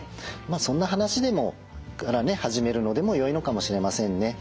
そんな話から始めるのでもよいのかもしれませんね。